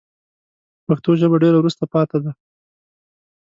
پښتو ژبه ډېره وروسته پاته ده